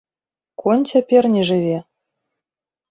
Конь цяпер не жыве.